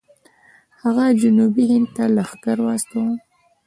هغه جنوبي هند ته لښکر واستوه.